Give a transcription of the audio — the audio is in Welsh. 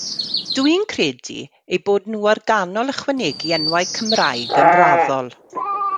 Dw i'n credu eu bod nhw ar ganol ychwanegu enwau Cymraeg yn raddol.